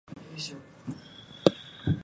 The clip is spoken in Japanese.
『ありがとう』、『頑張ったね』、『大好き』を大切にして生きていく